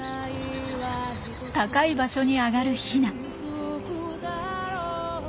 高い場所に上がるヒナ。